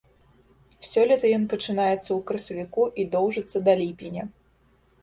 Сёлета ён пачынаецца ў красавіку і доўжыцца да ліпеня.